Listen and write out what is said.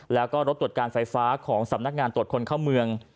แล้วก็รถตรวจการไฟฟ้าของสำนักงานตรวจคนเข้าเมือง